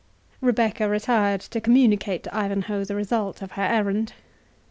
Rebecca retired to communicate to Ivanhoe the result of her errand.